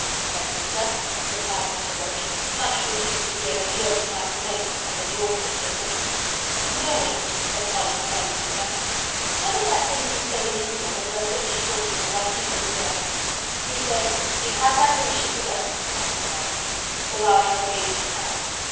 "Very good, sir," replied Mr. Roach, much relieved to hear that the oaks might remain and that the orchards were safe. "Mary," said Colin, turning to her, "what is that thing you say in India when you have finished talking and want people to go?" "You say, 'You have my permission to go,'" answered Mary. The Rajah waved his hand.